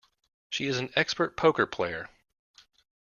She is an expert poker player.